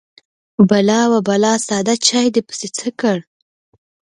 _بلا ، وه بلا! ساده چاې دې پسې څه کړ؟